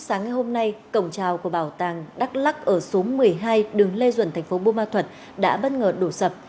sáng ngày hôm nay cổng trào của bảo tàng đắk lắc ở số một mươi hai đường lê duẩn thành phố bùa ma thuật đã bất ngờ đổ sập